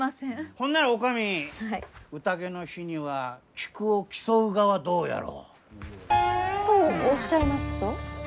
ほんなら女将宴の日には菊を競うがはどうやろう？とおっしゃいますと？